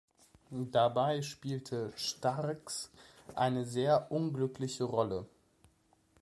Dabei spielte Starks eine sehr unglückliche Rolle.